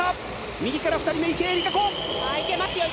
右から２人目、池江璃花子。